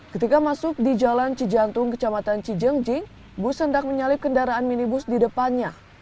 ketika masuk di jalan cijantung kecamatan cijengjing bus hendak menyalip kendaraan minibus di depannya